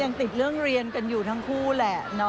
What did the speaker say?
ยังติดเรื่องเรียนกันอยู่ทั้งคู่แหละ